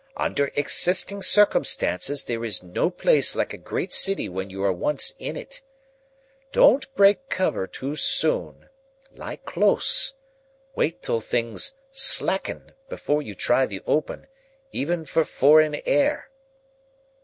Under existing circumstances, there is no place like a great city when you are once in it. Don't break cover too soon. Lie close. Wait till things slacken, before you try the open, even for foreign air."